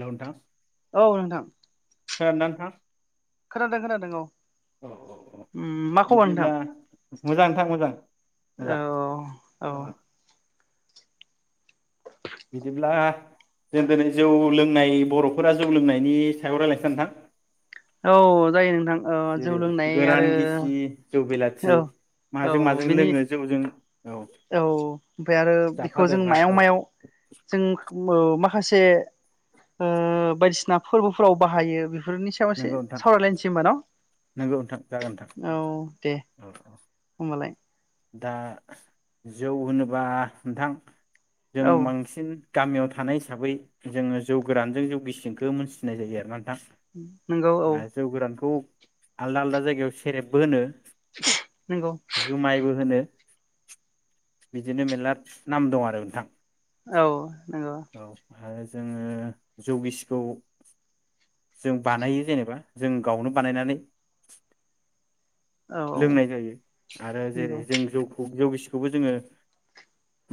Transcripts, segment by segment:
हेल नोंथां औ नोंथां खोनादो ना नोंथां खोनादों खोनादों औ औ औ औ उम मा खबर नोंथां बिदिब्ला मोजांथां मोजां मोजां औ औ बिदिब्ला जों दिनै जौ लोंनाय बर'फोरा जौ लोंनायनि सायाव रायज्लायनो सै नोंथां औ जायो नोंथां औ जौ जेरै लोंनाय गोरान आरो गिसि जौ औ बेलाथि औ माजों माजों बिनि लोङो जौजों औ ओमफ्राय आरो बेखौ जों जाफादेरग्रा मायाव औ मायाव जों औ ओ माखासे बायदिसिना फोरबोफोराव बाहायो बे बेफोरनि सायाव एसे नंगौ नोंथां सावरायलायनोसै होबा न। नंगौ नोंथां जागोन नोंथां औ दे औ [inaudible] दा जौ होनोबा नोंथां जों औ बांसिन गामियाव थानाय हिसाबै जोङो जौ गोरानजों जौ गिसिनखौ मोनथिनाय जायो आरोना बिथां नंगौ औ आरो जौ गोरानखौ आलदा आलदा जायगायाव सेरेबबो होनो नंगौ जुमायबो होनो बिदिनो मेरला नाम दं आरो नोंथां औ नंगौ औ आरो जोङो जौगिसिखौ जों बानायो जेनेबा जों गावनो बानायनानै औ औ लोंनाय जायो आरो नंगौ जेरै जों जौखौ जौसि बेखौबो जोङो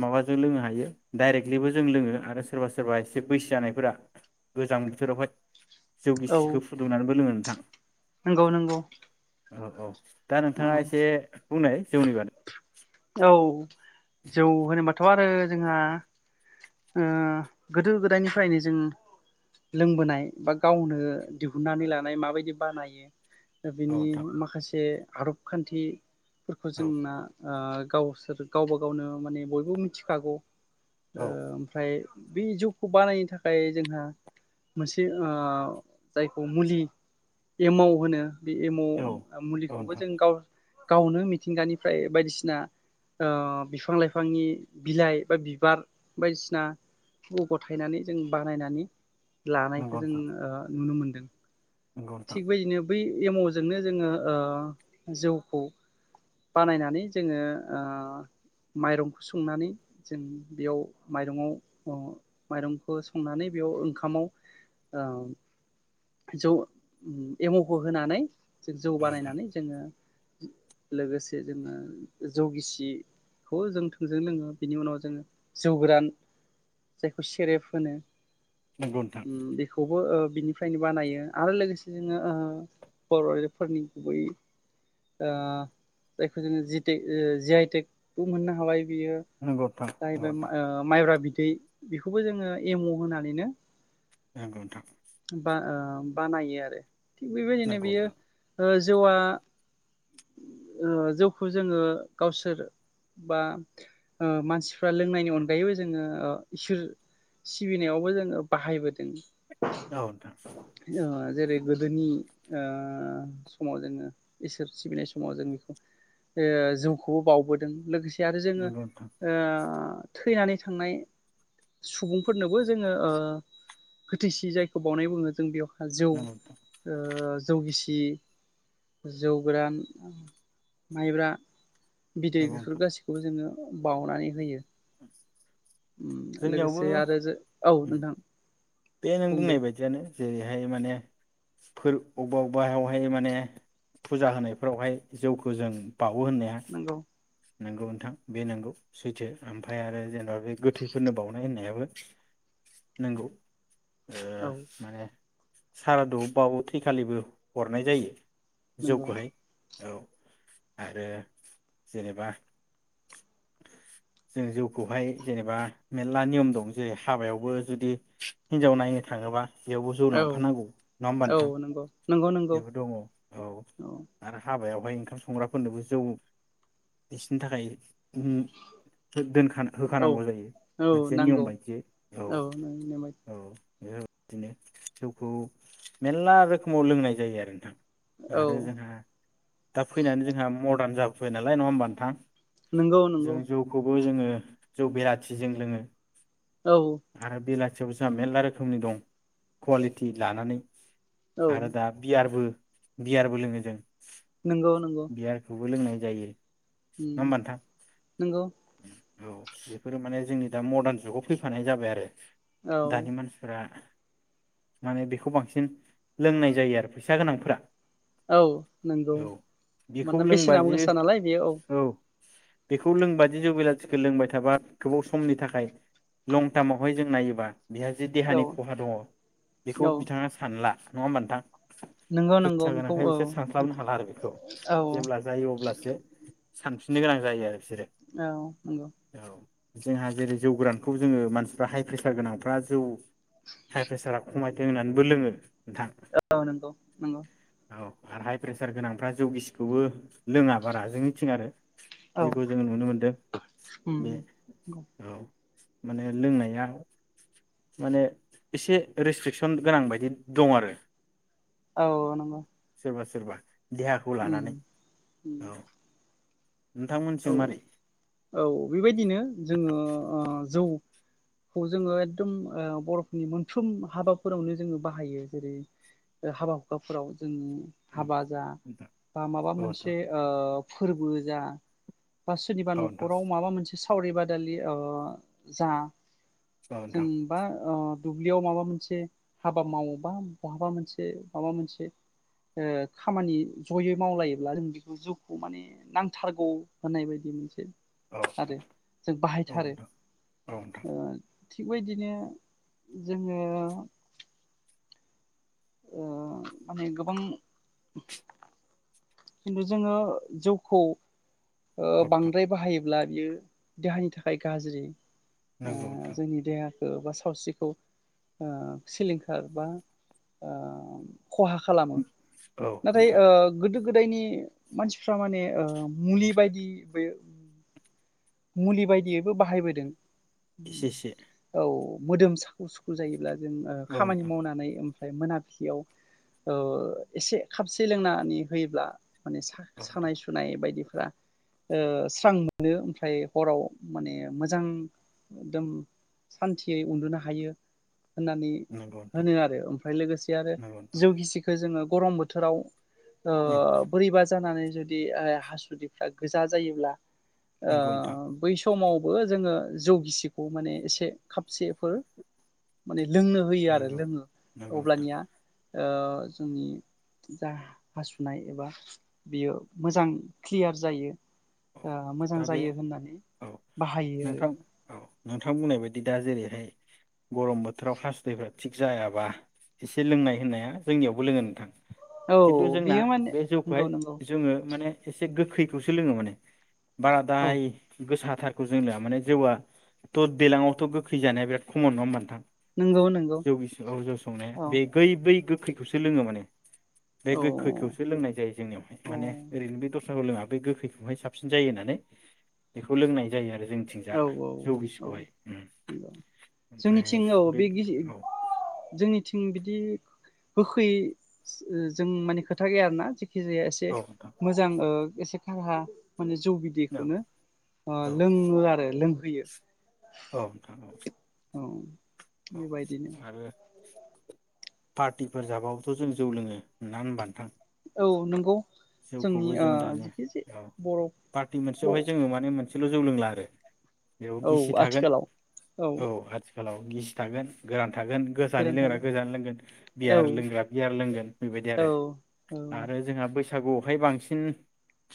माबाजों लोंनो हायो डाइरेक्टलिबो जों लोङो आरो सोरबा सोरबा एसे बैसो जानायफोरा गोजां बोथोरावहाय जौ औ गिसिखौ फुदुंनानैबो लोंङो थां नंगौ नंगौ औ औ दा नोंथाङा औ एसे बुंनाय जौवनि बागै औ जौ होनोबाथ आरो जोंहा ओ गोदो गोदायनिफ्रायनो जों लोंबोनाय बा गावनो दिहुननानै लानाय माबायदि बानायो दा औ बिनि नोंथां माखासे आरब खान्थि फोरखौ औ जों ना ओ गावसोर गावबा गावनो माने बयबो मिथिखागौ औ ओ ओमफ्राय बे जौखौ बानायनो थाखाय जोंहा मोनसे ओ जायखौ मुलि एमाव होनो। बे एम औ औ मुलिखौबो नोंथां जों गाव गावनो मिथिंगानिफ्राय बायदिसिन। सिना ओ बिफां लाइफांनि बिलाइ बा बिबार बायदिसिना गथायनानै जों बानायनानै लानायखौ नंगौ जों नोंथां ओ नुनो मोनदो। दों नंगौ नोंथां थिग बदिनो बै एम जोंनो जोङो ओ जौखौ बानायनानै जोङो ओ माइरंखौ संनानै जों बेयाव माइरङाव अ माइरंखौ संनानै बेयाव ओंखामाव उम जौ उम एमखौ होनानै जो जौ औ नोंथां बानायनानै जोङो लोगोसे जोङो जौगिसिखौ जों थोंजों लोङो बिनि उनाव जोङो जौ गोरान जायखौ सेरेब होनो। नोंगौ नोंथां ओ बेखौबो बिनि फ्रायनो बानायो आरो लोगोसे जोङो ओ बर आरिफोरनि गुबै ओ जायखौ जोङो जिटे ओ जि आइटेकबो मोननो हाबाय। बियो नंगौ जाहैबाय मा नोंथां ओ माइब्रा बिदि। बै बेखौबो जोङो एम होनानैनो नोंगथां बा ओ बानायो आरो। थिग बेबायदिनो नंगौ नोंथां नंगौ बेयो नोंथां ओज जौआ ओ जौखौ जोङो गावसोर बा ओ मानसिफ्रा लोंनायनि अनगायैबो जोङो ओ इसोर सिबिनायावबो जोङो बाहायबोदों। औ नोंथां। ओ जेरै गोदोनि ओ समाव जोङो इसोर सिबिनाय समाव जों बेखौ ओ जौखौबो बावबोदों लोगोसे आरो जोङो नंगौ नोंथां ओ थैनानै थांनाय सुबुंफोरनोबो जोङो ओ इसि जायखौ बावनाय बुङो जों बेयाव जौ ओ नंगौ नोंथां जौ गिसि जौ गोरान माइब्रा बिदै नंगौ बेफोर नोंथां गासैखौबो जोङो बावनानै होयो उम जोंनियावबो लोगोसे आरो जो औ नोंथां। बे नों बुं दे बुंनाय बायदियानो। जेरैहाय माने फोर औबा औबावहाय माने फुजा होनायफोरावहाय जौखौ जों बावो होननाया नंगौ नंगौ नोंथां बे नंगौ सैथो ओमफ्राय आरो जेनबा बे गोथैफोरनो बावउनाय होननायाबो नंगौ। ओ औ माने सारादुबाबो थैखालिबो हरनाय जायो। नंगौ जौखौहाय। औ आरो जेनेबा जों जौखौहाय जेनेबा मेरला नियम दं जेरै हाबायावबो जुदि हिनजाव नायनो थाङोबा बेयावबो जौ औ लांफानांगौ नङा होमबा औ नोंथां। नंगौ नंगौ नंगौ बेबो दङ औ औ आरो हाबायाव बेहाय ओंखाम संग्राफोरनोबो जौ बिसिनि थाखाय दोन औ होखानांगौ जायो औ मोनसे नियम नांगौ बायदिय औ नेमाय औ-औ बेफोरबायदिनो जौखौ मेलला रोखोमाव लोंनाय जायो आरो नोंथां। आरो औ जोंहा दा फैनानै जोंहा मरदार जाबाय। फै नालाय नङा होमबा नोथां। नंगौ जों नंगौ जौखौबो जोङो जौ बेलाथिजों लोङो औ आरो बेला मानसे फुसा मेरला रोखोमनि दं कुवालिटि लानानै। औ। आरो दा बियारबो बियारबो लोङो जों। नंगौ नंगौ बियारखौबो लोंङो जायो नङा होनबा नोंथां। नोंगौ। औ बेफोरो माने जोंनि दा मडार्न जुगाव फैफानाय जाबाय आरो। औ दानि मानसिफोरा माने बेखौ बांसिन लोंनाय जायो आरो फैसा गोनांफोरा औ नंगौ औ बेखौ मानोना लोंबा बेसेनाव जि गोसा नालाय बेयो औ। बेखौ लोंबाय बि जौ बिलाथिखौ लोंबाय थाबा गोबाव समनि थाखाय लं टार्मावहाय जों नायोबा बेहा जे औ देहानि खहा दङ बेखौ औ बिथाङा सानला। नङा होनबा नोंथां? नंगौ नंगौ फैसा बेखौ गोनांखाय औ बिसोर सानस्लाबनो हाला आरो बेखौ औ जेब्ला जायो अब्लासो सानफिननो गोनां जायो आरो बिसोरो औ नंगौ। औ जोंहा जेरै जौ गोरानखौ जोंङो मानसिफ्रा हाय प्रेसार गोनांफ्रा जौ हाय प्रेसारा खमाय लोंनानैबो लोंङो औ नोंगौ नोंगौ। हाय प्रेसार गोनांफ्रा जौगिसिखौबो लोङा बारा जोंनिथिं आरो औ जिखौ जोंङो नुनो मोनदों उम बे औ। माने लोंनाया माने एसे रेस्ट्रिकसन गोनां बायदि दं आरो। औ नंग सोरबा सोरबा देहाखौ लानानै उम औ औ नोंथांमोनथिं मारै औ बिबायदिनो जोंङो अ जौ खौ जोंङो एकदम ओ बर'फोरनि मोनफ्रोम हाबाफोरावनो जोंङो बाहायो जेरै हाबा हुखाफोराव जों औ हाबा जा नोंथां बा माबा औ मोनसे नोंथां ओ फोरबो जा बा सोरनिबा औ नोंथां नखराव माबा मोनसे सा खावरि बादालि अ जा औ नोंथां जोंबा अ दुब्लियाव माबा मोनसे हाबा मावोबा बहाबा मोनसे माबा मोनसे ओ खामानि जयै मावलायोब्ला जों बेखौ जिउखौ माने नांथारगौ होनानाय बायदि मोनसे औ आरो जों बाहायथारो नोंथां औ नोंथां ओ थिगबायदिनो जोंङो ओ माने गोबां खिन्थु जोंङो जौखौ औ बांद्राय बाहायो ब्ला बियो देहानि थाखाय गाज्रि। ओ नोंथां औ नोंथां नंगौ नोंथां जोंनि देहा बबेबा सावस्रिखौ ओ सिलिंखार बा ओ खहा खालामो औ नाथाय नोंथां ओ गोदो गोदायनि मानसिफ्रा माने मुलि बायदि बे मुलि बायदियैबो बाहायबोदों। एसे एसे औ मोदोम साखु सुखु जायोब्ला जों आ औ खामानि नोंथां मावनानै फ्राय मोनाबिलियाव औ एसे खाबसे लोंनानै होयोब्ला माने औ नोंथां सानाय सुनाय बायदिफोरा ओ स्रां मोनो थाय हराव माने मोजां एकदम सान्थियै उन्दुनो हायो। होननानै नंगौ नोंथां होनो आरो ओमफ्राय लोगोसे आरो नंगौ नोंथां जौ गिसिखौ जोङो गरम बोथोराव ओ उम बोरैबा जानानै जुदि हासुदैफ्रा गोजा जायोब्ला ओ नंगौ नोंथां बै समाव खौबो जोङो जौ गिसिखौ माने एसे खपसेफोर माने लोंनो होयो आरो नंगौ लोङो नंगौ नोंथां अब्लानिया ओ जोंनि जा हासुनाय एबा बियो मोजां क्लियार जायो। औ मोजां दा बे जायो होननानै औ बाहायो आरो नोंथां औ नोंथां बुंनाय बायदि दा जेरै फ्राय गरम बोथोराव खासुदैफ्रा थिग जायाबा एसे लोंनाय होननाया जोंनियावबो लोङो नोंथां। खिन्थु औ जोंना बियो माने बे जौखौहाय नंगौ नंगौ जोङो माने एसे गोग्खैखौसो लोङो माने औ बारादाय गोसा थारखौ जों लया माने जौआ थ देलाङावथ गोखै जानाया बिराद खमन नङा होनबा नोंथां। नंगौ नंगौ जौ गिसि औ जौ संनाया औ बे गै बै गो खैखौसो लोङो माने बे औ गोखैखौसो लोंनाय जायो जोंनियावहाय औ माने ओरैनो बे दस लोङा बे गोखैखौहाय साबसि जायो होननानै बेखौ लोंनाय जायो आरो जोंथिंजा औ औ जौ औ गिसिखौहाय उम जोंनिथिं औ बे गि औ जोंनिथिं बिदि गोखैै जों माने खोथा गैया आरोना खि जाया एसे औ नोंथां मोजां ओ एसेखां हा माने जौ औ बिदैखौनो औ लों ओ आरो लोंहोयो औ नोंथां औ औ औ बेबायदिनो आरो पार्टिफोर जाबावो थ जों जौ लोङो नडा होनबा नोंथां? औ नोंगौ। जौ खौबो जों दानो औ बर' पार्टि मोनसेयावहाय जोंङो माने मोन सेल जौ लोंला आरो। बेयाव औ गिसि थागोन आथिखालाव औ आ खालाव गिसि थागोन गोरान थागोन गोजानि गोरान लोंग्राया थागोन गोजानि लोंगोन बियार औ लोंग्राया बियार लोंगोन बे बायदि औ आरो औ आरो बैसा सागुआवहाय बांसिन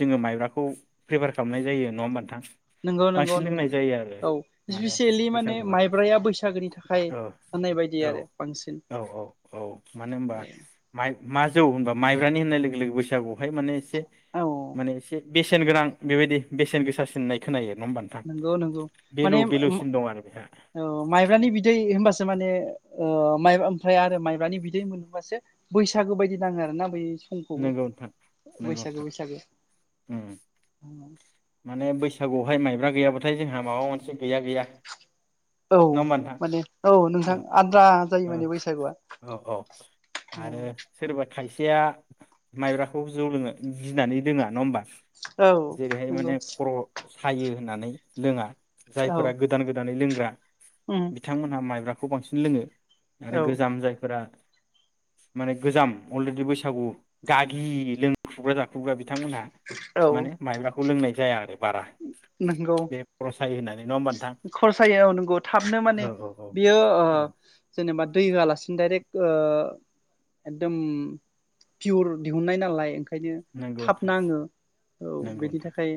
जोंङो माइब्राखौ प्रिफार खालामनाय जायो नंङा होमबा नोंथां? नंगौ नंगौ बांसिन नोंथां लोंनाय जायो आरो औ माने स्पिसियेलि माने बैसागुआवहाय माइब्राया बैसागोनि थाखाय औ होननाय बायदि औ आरो बांसिन औ औ औ मानो होनबा ए माइ मा जौ होनबा माइब्रानि होननाय लोगो लोगो बैस सागुआवहाय माने से औ माने एसे बेसेन गोनां बेबायदि बेसेन गोसा सिननाय खोनायो। नङा होमबा नोंथां नंगौ नंगौ भेलु माने भेलुसिन दं आरो बेहा औ माइब्रानि बिदै होनबासो माने ओ माइ माइब्रा ओमफ्राय आरो माइब्रानि बिदै मोनोबासो बैसागो बायदि नांङो आरोना बै समखौबो नोंगौ नोंथां नोंगौ बैसागो था बैसागो माने बैसागु बाय माइब्रा गैया बा थाय जोंहा माबा मोनसे गैया गैया औ नङा होमबा नोंथां माने औ नोंथां आद्रा जायो माने बैसागुआ औ औ आरो उम सोरबा खायसेया माइब्राखौ जौ लोंङो गिनानै लोंङा नमबा औ जेरै हाय नंगौ माने खर' सायो होननानै लोंङा। औ जायफोरा गोदान गोदानै लों ग्रा उम बिथां मोनहा माइब्रा खौ बांसिन लोंङो। आरो औ गोजाम जायफोरा माने गोजाम अलरेडि बैसागु गागि लोंख्रुबग्रा जाख्रुबग्रा बिद थांमोनहा औ माने माइब्रा खौ लोंनाय जाया आरो बारा नंगौ बे खर' सायो होननानै नङा होमबा नोंथां खर'सायो अ नंगौ थाबनो औ माने औ औ बियो ओ औ जेनेबा दै होआलासिनो दडायरेक्ट एकदम पियर दिहुननाय नालाय ओंखायनो नंगौ थाब नोंथां नांङो औ नंगौ बेनि नोंथां थाखाय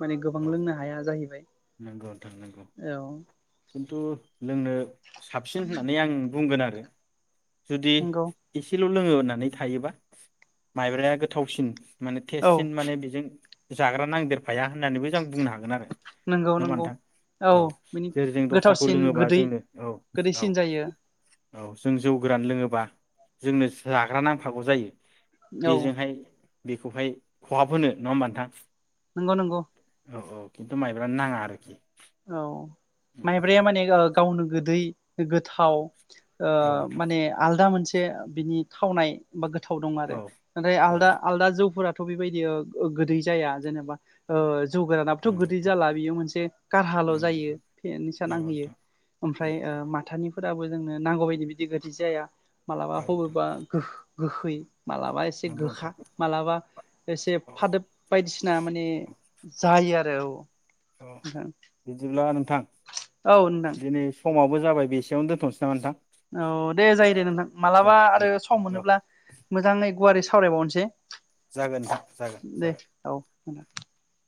माने गोबां औ लोंनो हाया जाहैबाय नंगौ ओनथां नंगौ औ खिन्थु लोंनो साबसिन होननानै आं बुंगोन आरो जुदि नंगौ इसेल' लोङो होननानै थायोबा माइब्राया गोथावसिन माने औ थेेजसिन माने बेजों जाग्रा नांदेर हाया होननानैबो जों बुंनो हागोन आरो नंगौ नङा होमबा नंगौ नोंथां औ बिनि जेरै जों दस्राखौ गोथावसिन लोङोबा गोदै जोंनो औ औ गोदैसिन जायो औ जों जौ गोरान लोङोबा जोंनो जाग्रा नांफागौ जायो औ बेजोंहाय बेखौहाय खहाब होनो नङा होमबा नोंथां? नंगौ नंगौ अ औ खिन्थु माइ नाङा आरोखि औ मायब्राया माने ओ गावनो गोदै गोथाव ओ औ नोंथां माने आलदा मोनसे बिनि थावनाय बा गोथाव दं आरो औ नाथाय औ आलदा आलदा जौफोरा थ बेबायदि ओ ओ गोदै जाया जेनेबा ओ जौ गोरानाबोथ नंगौ गोदै नोंथां जाला बियो मोनसे हाल जायो फे निसा नंगौ नोंथां नंगौ नांहोयो नोंथां ओमफ्राय ओ माथानि फोराबो जोंनो नांगौ बायदि बिदि बादि जाया मालाबा औ नोंथां हबेबा गो गोखै मालाबा एसे नंगौ गोखा, नोंथां मालाबा एसे औ फादोब बायदिसिना माने जायो आरो औ अ नोंथां बिदिब्ला नों थां औ नोंथां दिनै समाबो जाबाय बेसेयाव दोनथसै नामा नोंथां? औ दे जायो दे नोंथां जा मालाबा दे आरो सम औ मोनोब्ला मोजाङै गुवारै सावराय बावनोसै जागोन नोंथां जागोन जागोन। [unintelligible]